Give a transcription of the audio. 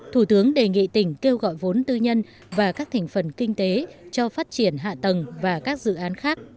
thủ tướng đề nghị tỉnh kêu gọi vốn tư nhân và các thành phần kinh tế cho phát triển hạ tầng và các dự án khác